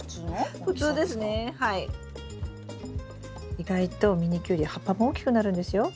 意外とミニキュウリ葉っぱも大きくなるんですよ。